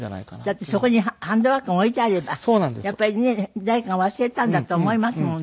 だってそこにハンドバッグが置いてあればやっぱりね誰かが忘れたんだと思いますもんね。